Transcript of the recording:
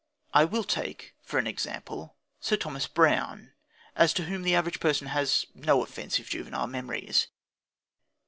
I will take, for an example, Sir Thomas Browne, as to whom the average person has no offensive juvenile memories.